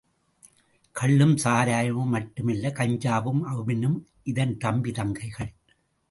கள்ளும் சாராயமும் மட்டுமல்ல கஞ்சாவும் அபினும் இதன் தம்பி தங்கைகள்.